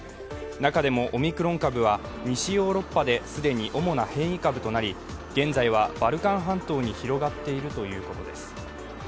中でもオミクロン株は西ヨーロッパで既に主な変異株となり現在はバルカン半島に広がっているということです。